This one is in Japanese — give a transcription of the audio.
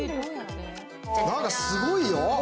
なんかすごいよ。